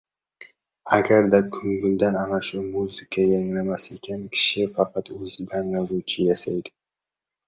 Agarda ko‘ngilda ana shu muzika yangramas ekan, kishi faqat «o‘zidan yozuvchi yasaydi».